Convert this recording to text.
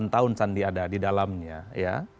delapan tahun sandi ada di dalamnya ya